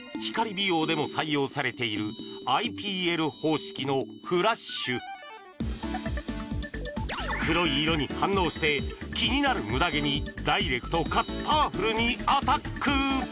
美容でも採用されているＩＰＬ方式のフラッシュ黒い色に反応して気になるムダ毛にダイレクトかつパワフルにアタック！